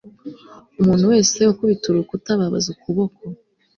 Umuntu wese ukubita urukuta ababaza ukuboko